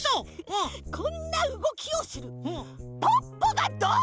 こんなうごきをするポッポがどん！